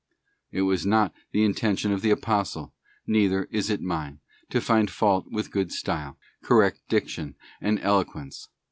'* It was not the intention of the Apostle, neither is it mine, to find fault with a good style, correct diction, and eloquence.